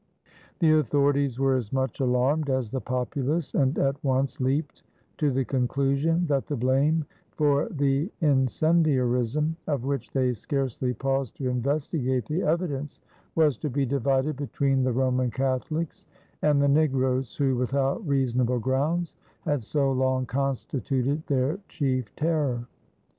The authorities were as much alarmed as the populace and at once leaped to the conclusion that the blame for the incendiarism, of which they scarcely paused to investigate the evidence, was to be divided between the Roman Catholics and the negroes, who without reasonable grounds had so long constituted their chief terror.